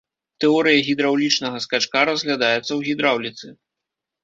Тэорыя гідраўлічнага скачка разглядаецца ў гідраўліцы.